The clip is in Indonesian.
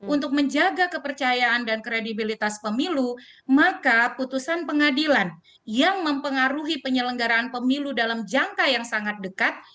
untuk menjaga kepercayaan dan kredibilitas pemilu maka putusan pengadilan yang mempengaruhi penyelenggaraan pemilu dalam jangka yang sangat dekat